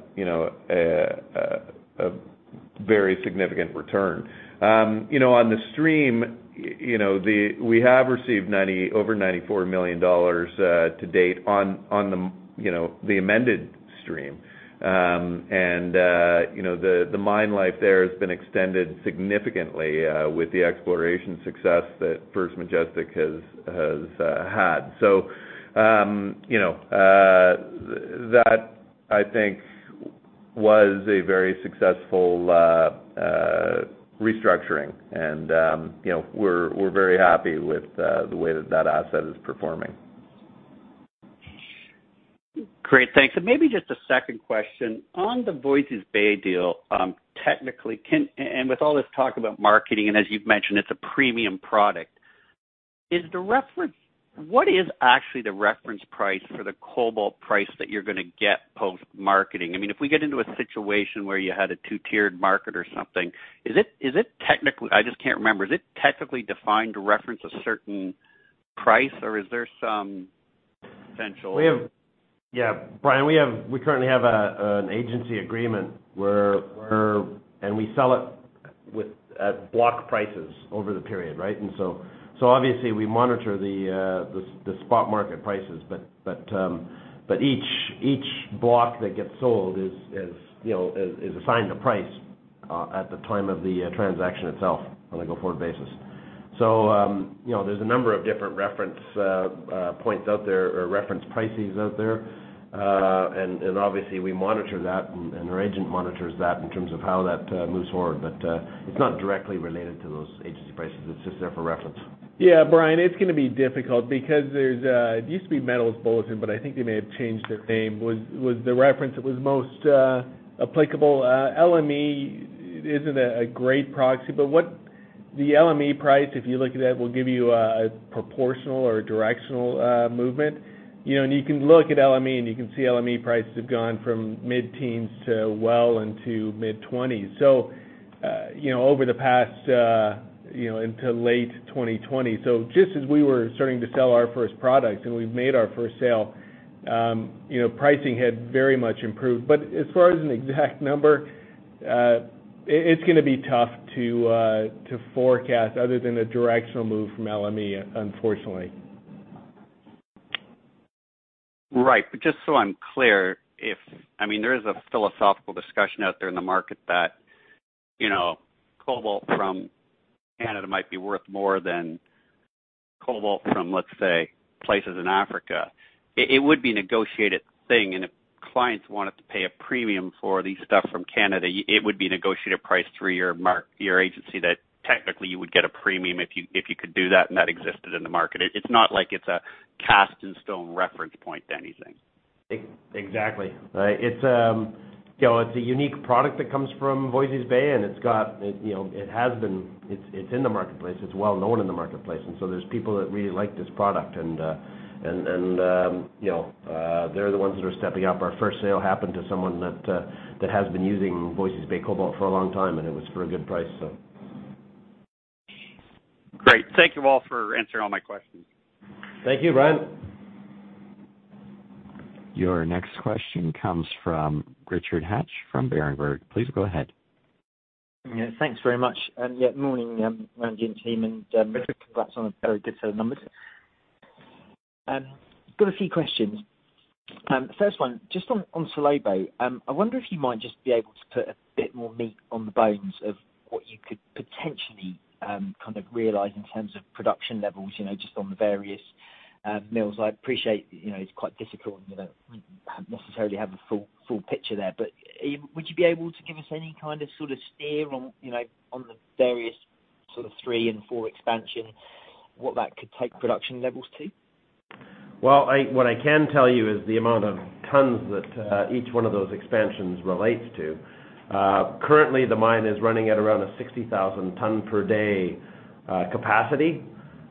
very significant return. On the stream, we have received over $94 million to date on the amended stream. The mine life there has been extended significantly with the exploration success that First Majestic has had. That I think was a very successful restructuring and we're very happy with the way that that asset is performing. Great. Thanks. Maybe just a second question. On the Voisey's Bay deal, technically, and with all this talk about marketing, and as you've mentioned, it's a premium product. What is actually the reference price for the cobalt price that you're going to get post-marketing? If we get into a situation where you had a two-tiered market or something, I just can't remember, is it technically defined to reference a certain price or is there some potential? Yeah. Brian, we currently have an agency agreement where we sell it at block prices over the period, right? Obviously we monitor the spot market prices, but each block that gets sold is assigned a price at the time of the transaction itself on a go-forward basis. There's a number of different reference points out there or reference prices out there. Obviously we monitor that, and our agent monitors that in terms of how that moves forward. It's not directly related to those agency prices. It's just there for reference. Brian, it's going to be difficult because there's, it used to be Fastmarkets MB, but I think they may have changed their name, was the reference that was most applicable. LME isn't a great proxy. What the LME price, if you look at that, will give you a proportional or directional movement. You can look at LME, and you can see LME prices have gone from mid-teens to well into mid-20s. Over the past, into late 2020. Just as we were starting to sell our first product and we've made our first sale, pricing had very much improved. As far as an exact number, it's going to be tough to forecast other than a directional move from LME, unfortunately. Right. Just so I'm clear, there is a philosophical discussion out there in the market that cobalt from Canada might be worth more than cobalt from, let's say, places in Africa. It would be a negotiated thing, and if clients wanted to pay a premium for the stuff from Canada, it would be a negotiated price through your agency that technically you would get a premium if you could do that, and that existed in the market. It's not like it's a cast-in-stone reference point to anything. Exactly. It's a unique product that comes from Voisey's Bay, and it's in the marketplace. It's well known in the marketplace. There's people that really like this product and they're the ones that are stepping up. Our first sale happened to someone that has been using Voisey's Bay cobalt for a long time, and it was for a good price. Great. Thank you all for answering all my questions. Thank you, Brian. Your next question comes from Richard Hatch from Berenberg. Please go ahead. Yeah. Thanks very much. Yeah, morning, management team, and, congrats on a very good set of numbers. I've got a few questions. The first one, just on Salobo. I wonder if you might just be able to put a bit more meat on the bones of what you could potentially realize in terms of production levels, just on the various mills. I appreciate, it's quite difficult and you don't necessarily have a full picture there, but would you be able to give us any kind of steer on the various sort of three and four expansion, what that could take production levels to? Well, what I can tell you is the amount of tons that each one of those expansions relates to. Currently, the mine is running at around a 60,000 ton per day capacity.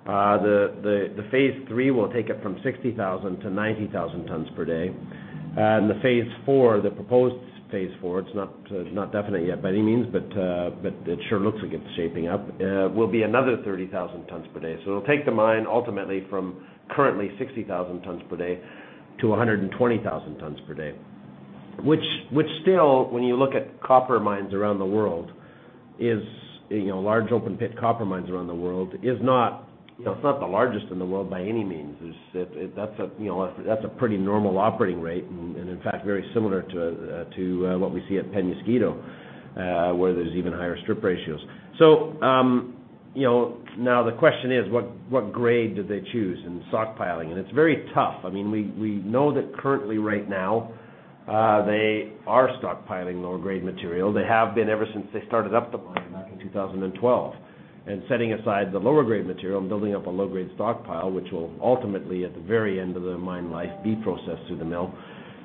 The phase III will take it from 60,000 to 90,000 tons per day. The phase IV, the proposed phase IV, it's not definite yet by any means, but it sure looks like it's shaping up, will be another 30,000 tons per day. It'll take the mine ultimately from currently 60,000 tons per day to 120,000 tons per day. Which still, when you look at copper mines around the world, large open pit copper mines around the world, it's not the largest in the world by any means. That's a pretty normal operating rate and in fact, very similar to what we see at Penasquito, where there's even higher strip ratios. Now the question is: what grade did they choose in stockpiling? It's very tough. We know that currently right now, they are stockpiling lower grade material. They have been ever since they started up the mine back in 2012, and setting aside the lower grade material and building up a low-grade stockpile, which will ultimately, at the very end of the mine life, be processed through the mill.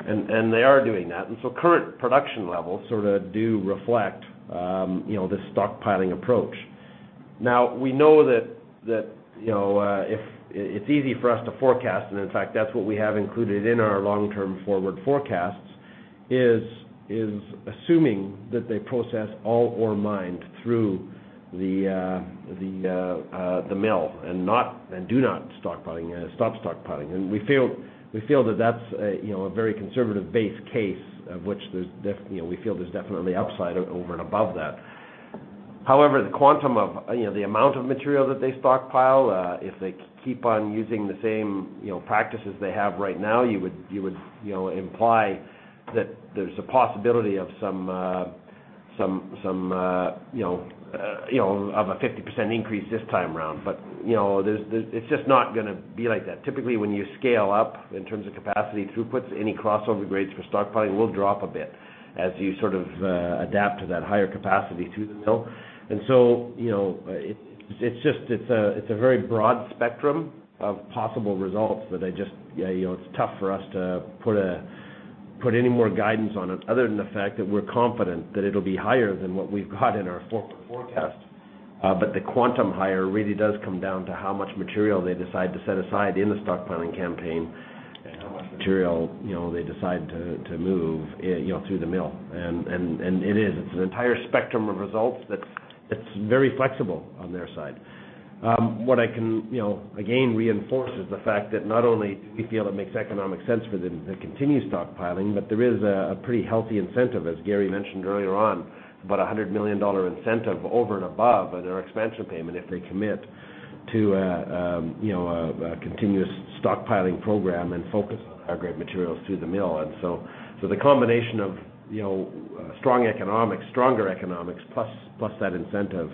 They are doing that. Current production levels sort of do reflect this stockpiling approach. We know that it's easy for us to forecast, and in fact, that's what we have included in our long-term forward forecasts, is assuming that they process all ore mined through the mill and do not stop stockpiling. We feel that that's a very conservative base case of which we feel there's definitely upside over and above that. However, the amount of material that they stockpile, if they keep on using the same practices they have right now, you would imply that there's a possibility of a 50% increase this time around. It's just not gonna be like that. Typically, when you scale up in terms of capacity throughputs, any crossover grades for stockpiling will drop a bit as you sort of adapt to that higher capacity through the mill. It's a very broad spectrum of possible results that it's tough for us to put any more guidance on it other than the fact that we're confident that it'll be higher than what we've got in our forward forecast. The quantum higher really does come down to how much material they decide to set aside in the stockpiling campaign and how much material they decide to move through the mill. It is, it's an entire spectrum of results that's very flexible on their side. What I can, again, reinforce is the fact that not only do we feel it makes economic sense for them to continue stockpiling, but there is a pretty healthy incentive. As Gary mentioned earlier on, about $100 million incentive over and above their expansion payment if they commit to a continuous stockpiling program and focus on higher grade materials through the mill. The combination of stronger economics plus that incentive,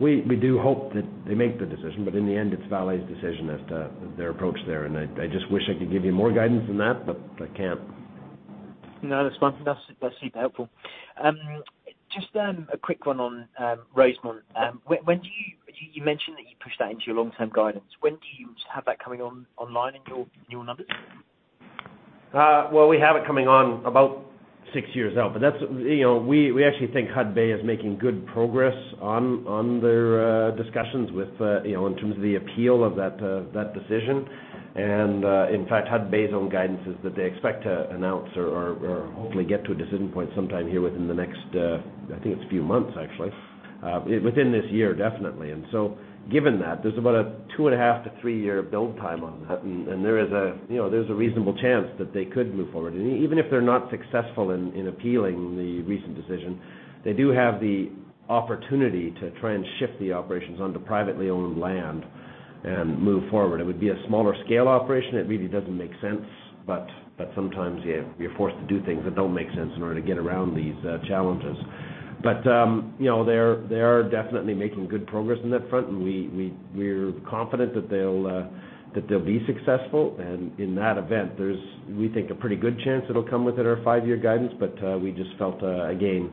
we do hope that they make the decision. In the end, it's Vale's decision as to their approach there. I just wish I could give you more guidance than that, but I can't. No, that's fine. That's super helpful. Just a quick one on Rosemont. You mentioned that you pushed that into your long-term guidance. When do you have that coming online in your numbers? Well, we have it coming on about six years out. We actually think Hudbay is making good progress on their discussions in terms of the appeal of that decision. In fact, Hudbay's own guidance is that they expect to announce or hopefully get to a decision point sometime here within the next, I think it's a few months, actually. Within this year, definitely. Given that, there's about a two and a half to three-year build time on that, and there's a reasonable chance that they could move forward. Even if they're not successful in appealing the recent decision, they do have the opportunity to try and shift the operations onto privately owned land and move forward. It would be a smaller scale operation. It really doesn't make sense, but sometimes you're forced to do things that don't make sense in order to get around these challenges. They are definitely making good progress on that front, and we're confident that they'll be successful. In that event, there's, we think, a pretty good chance it'll come within our five-year guidance. We just felt, again,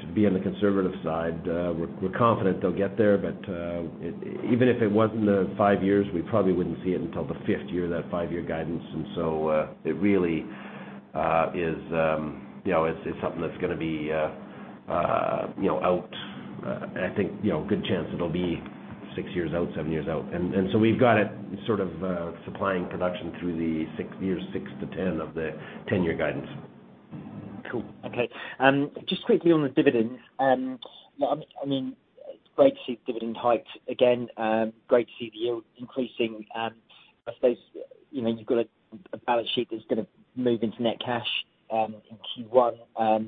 to be on the conservative side. We're confident they'll get there. Even if it was in the five years, we probably wouldn't see it until the fifth year of that five-year guidance. It really is something that's going to be out, and I think a good chance it'll be six years out, seven years out. We've got it sort of supplying production through the years six to 10 of the 10-year guidance. Cool. Okay. Just quickly on the dividends. It's great to see dividend hiked again, great to see the yield increasing. I suppose you've got a balance sheet that's gonna move into net cash in Q1. Where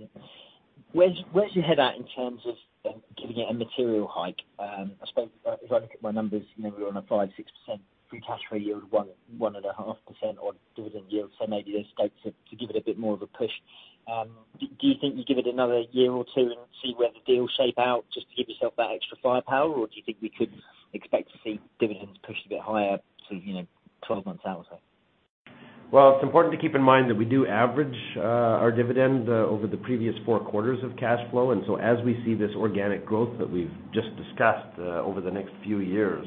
is your head at in terms of giving it a material hike? I suppose if I look at my numbers, we're on a 5%-6% free cash flow yield, 1.5% on dividend yield. Maybe there's scope to give it a bit more of a push. Do you think you give it another year or two and see where the deals shape out just to give yourself that extra firepower? Do you think we could expect to see dividends pushed a bit higher to 12 months out? Well, it's important to keep in mind that we do average our dividend over the previous four quarters of cash flow. As we see this organic growth that we've just discussed over the next few years,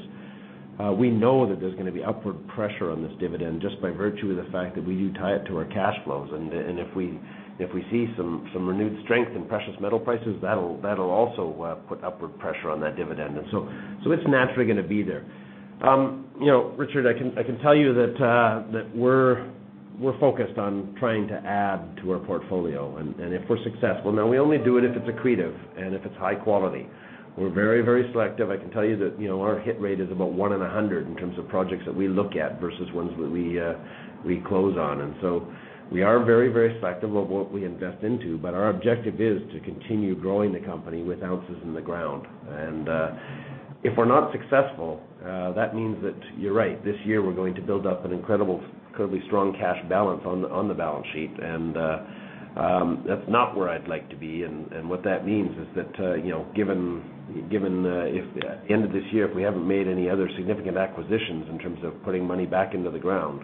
we know that there's going to be upward pressure on this dividend just by virtue of the fact that we do tie it to our cash flows. If we see some renewed strength in precious metal prices, that'll also put upward pressure on that dividend. It's naturally going to be there. Richard, I can tell you that we're focused on trying to add to our portfolio. If we're successful, now, we only do it if it's accretive and if it's high quality. We're very selective. I can tell you that our hit rate is about one in 100 in terms of projects that we look at versus ones that we close on. So we are very selective of what we invest into, but our objective is to continue growing the company with ounces in the ground. If we're not successful, that means that you're right. This year, we're going to build up an incredibly strong cash balance on the balance sheet, and that's not where I'd like to be. What that means is that, given if end of this year, if we haven't made any other significant acquisitions in terms of putting money back into the ground,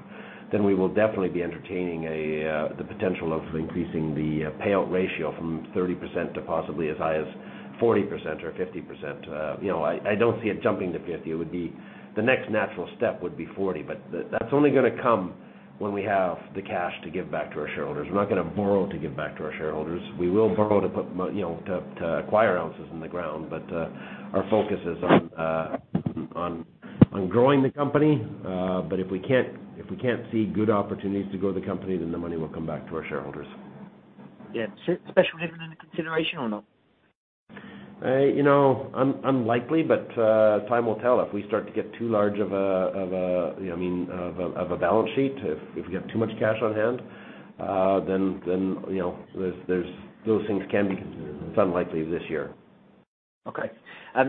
then we will definitely be entertaining the potential of increasing the payout ratio from 30% to possibly as high as 40% or 50%. I don't see it jumping to 50. The next natural step would be 40%, but that's only going to come when we have the cash to give back to our shareholders. We're not going to borrow to give back to our shareholders. We will borrow to acquire ounces in the ground. Our focus is on growing the company. If we can't see good opportunities to grow the company, then the money will come back to our shareholders. Yeah. Special dividend into consideration or not? Unlikely, but time will tell. If we start to get too large of a balance sheet, if we have too much cash on hand, then those things can be considered. It's unlikely this year. Okay.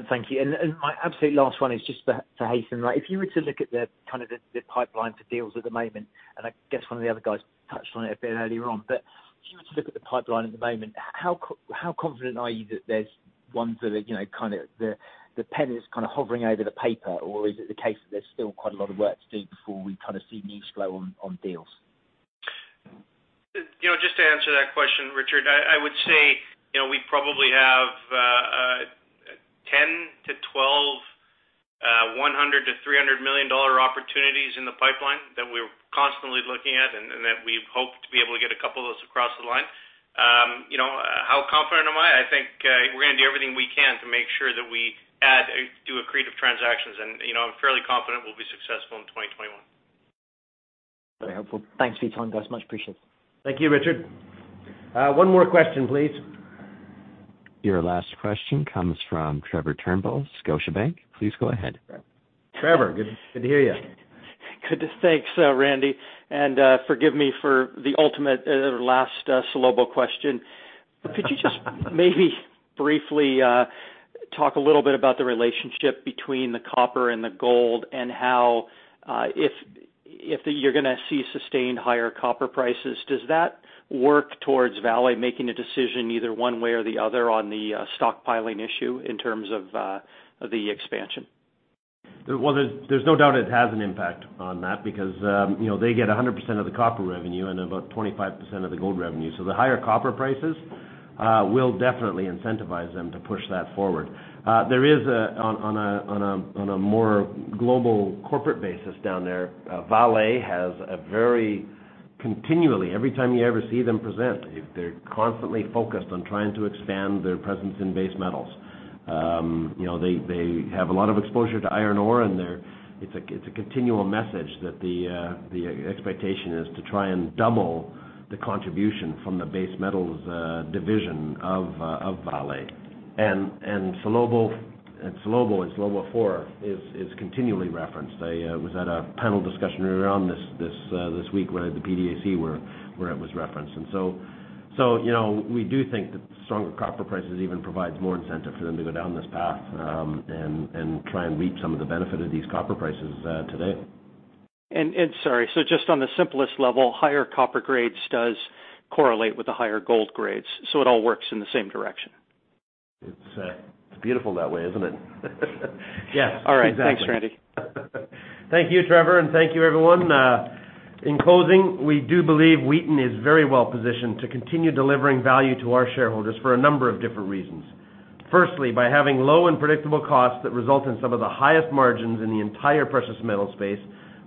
Thank you. And my absolute last one is just for Haytham. If you were to look at the pipeline for deals at the moment, and I guess one of the other guys touched on it a bit earlier on, but if you were to look at the pipeline at the moment, how confident are you that there's ones that the pen is kind of hovering over the paper, or is it the case that there's still quite a lot of work to do before we see news flow on deals? Just to answer that question, Richard, I would say we probably have 10 to 12, $100 million-$300 million opportunities in the pipeline that we're constantly looking at and that we hope to be able to get a couple of those across the line. How confident am I? I think we're going to do everything we can to make sure that we do accretive transactions, and I'm fairly confident we'll be successful in 2021. Very helpful. Thanks for your time, guys. Much appreciated. Thank you, Richard. One more question, please. Your last question comes from Trevor Turnbull, Scotiabank. Please go ahead. Trevor, good to hear you. Good. Thanks, Randy. Forgive me for the ultimate last Salobo question. Could you just maybe briefly talk a little bit about the relationship between the copper and the gold and how if you're going to see sustained higher copper prices, does that work towards Vale making a decision either one way or the other on the stockpiling issue in terms of the expansion? Well, there's no doubt it has an impact on that because they get 100% of the copper revenue and about 25% of the gold revenue. The higher copper prices will definitely incentivize them to push that forward. On a more global corporate basis down there, Vale has a very continually, every time you ever see them present, they're constantly focused on trying to expand their presence in base metals. They have a lot of exposure to iron ore, and it's a continual message that the expectation is to try and double the contribution from the base metals division of Vale. Salobo and Salobo IV is continually referenced. I was at a panel discussion earlier on this week where the PDAC, where it was referenced. We do think that stronger copper prices even provides more incentive for them to go down this path, and try and reap some of the benefit of these copper prices today. Sorry, so just on the simplest level, higher copper grades do correlate with the higher gold grades, so it all works in the same direction. It's beautiful that way, isn't it? Yes, exactly. All right. Thanks, Randy. Thank you, Trevor. Thank you, everyone. In closing, we do believe Wheaton is very well positioned to continue delivering value to our shareholders for a number of different reasons. Firstly, by having low and predictable costs that result in some of the highest margins in the entire precious metal space,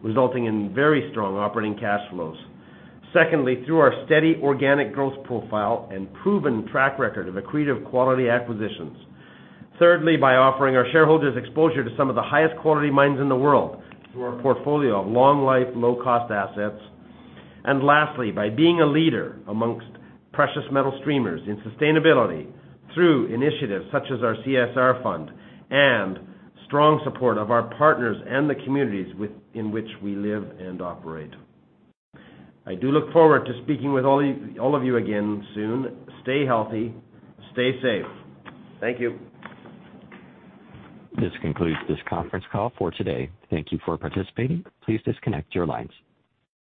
resulting in very strong operating cash flows. Secondly, through our steady organic growth profile and proven track record of accretive quality acquisitions. Thirdly, by offering our shareholders exposure to some of the highest quality mines in the world through our portfolio of long life, low-cost assets. Lastly, by being a leader amongst precious metal streamers in sustainability through initiatives such as our CSR fund and strong support of our partners and the communities in which we live and operate. I do look forward to speaking with all of you again soon. Stay healthy. Stay safe. Thank you. This concludes this conference call for today. Thank you for participating. Please disconnect your lines.